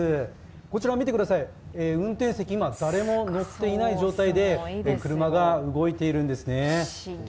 こちらを見てください、運転席、今誰も乗っていない状態で車が動いているんですね。